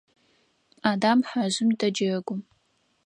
Адам хьэжъым дэджэгу.